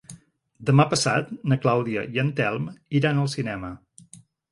Demà passat na Clàudia i en Telm iran al cinema.